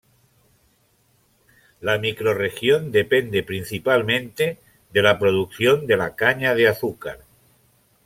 La microrregión depende principalmente de la producción de la caña de azúcar.